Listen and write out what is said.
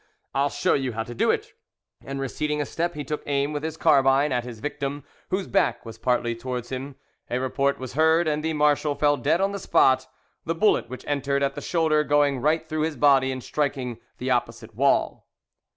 "I'll show you how to do it"; and, receding a step, he took aim with his carbine at his victim, whose back was partly towards him. A report was heard, and the marshal fell dead on the spot, the bullet which entered at the shoulder going right through his body and striking the opposite wall.